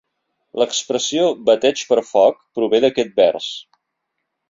L'expressió "bateig per foc" prové d'aquest vers.